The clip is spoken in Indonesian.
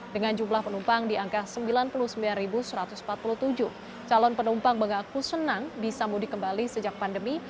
dengan jumlah penumpang di angka sembilan puluh sembilan satu ratus empat puluh tujuh calon penumpang mengaku senang bisa mudik kembali sejak pandemi